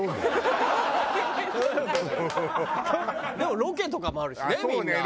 でもロケとかもあるしねみんな。